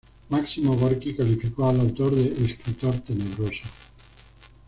Máximo Gorki calificó al autor de "escritor tenebroso".